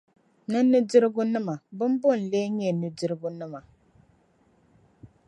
Ni nudirgunima, bimbo n-leei nyɛ nudirgunima?